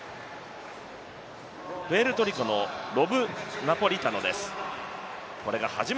プエルトリコのロブ・ナポリタノです。